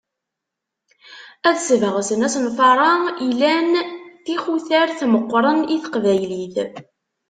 Ad sbeɣsen asenfar-a ilan tixutert meqqren i teqbaylit.